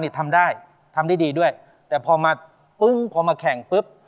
ทำได้ดีด้วยแต่พอมาปึ้งพอมาแข่งปึ๊บ